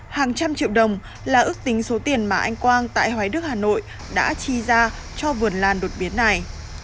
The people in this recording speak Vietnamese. hàng trăm triệu đồng là ước tính số tiền mà anh quang tại hoài đức hà nội đã chi ra cho vườn lan đột biến này